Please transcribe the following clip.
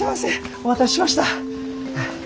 お待たせしました。